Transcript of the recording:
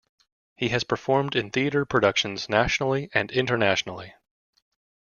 He has performed in theatre productions nationally and internationally.